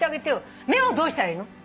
目をどうしたらいいの？